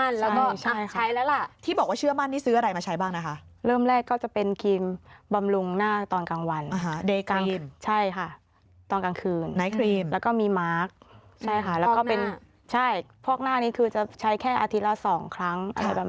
นายเกรียมแล้วก็มีมาร์คใช่ข้อกหน้านี่คือจะใช้แค่อาทิตย์ละ๒ครั้ง